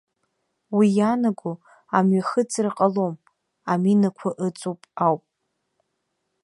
Уи иаанаго амҩахыҵра ҟалом, аминақәа ыҵоуп ауп.